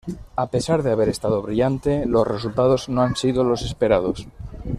A pesar de haber estado brillante, los resultados no han sido los esperados.